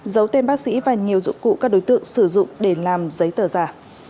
giấu tên bác sĩ và nhiều dụng cụ các đối tượng sử dụng để làm giấy tờ giả